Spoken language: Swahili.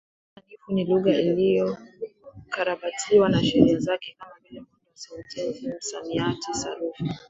Lugha Sanifu ni lugha iliyokarabatiwa na sheria zake kama vile muundo wa sentensi, msamiati, sarufi.